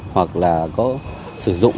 hoặc là có sử dụng